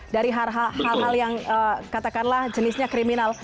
dari hal hal yang katakanlah jenisnya kriminal